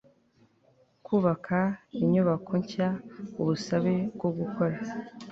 kubaka inyubako nshya ubusabe bwo gukora